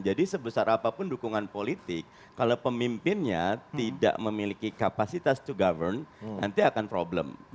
jadi sebesar apapun dukungan politik kalau pemimpinnya tidak memiliki kapasitas to govern nanti akan problem